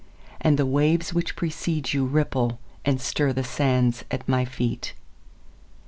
And the waves which precede youRipple and stirThe sands at my feet.